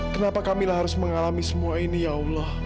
kenapa kamilah harus mengalami semua ini ya allah